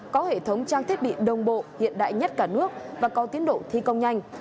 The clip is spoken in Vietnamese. có hệ thống trang thiết bị đồng bộ hiện đại nhất cả nước và có tiến độ thi công nhanh